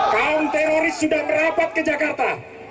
kaum teroris sudah merapat ke jakarta